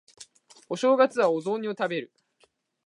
お正月はお雑煮を食べる